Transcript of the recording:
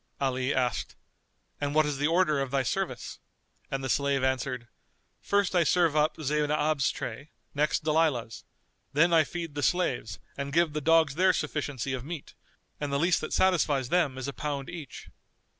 Ali asked, "And what is the order of thy service?" and the slave answered, "First I serve up Zaynab's tray, next Dalilah's; then I feed the slaves and give the dogs their sufficiency of meat, and the least that satisfies them is a pound each."